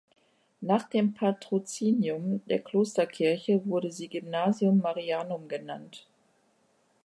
Nach dem Patrozinium der Klosterkirche wurde sie "„Gymnasium Marianum“" genannt.